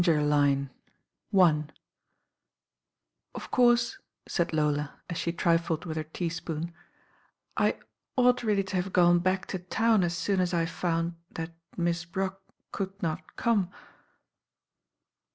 CHAPTER Xiy It THE DANGER LINE OF course," said Lola, as she trifled with her teaspoon, "I ought really to have gone back to town as soon as I found that Miss Brock could not come."